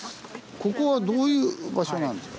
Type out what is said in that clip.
ここはどういう場所なんですか？